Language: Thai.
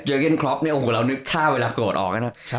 เจอเกิ้ลคล็อปเนี่ยโอ้โหเรานึกค่าเวลาโกรธออก